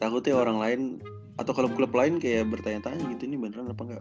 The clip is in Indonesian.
takutnya orang lain atau klub klub lain kayak bertanya tanya gitu ini beneran apa enggak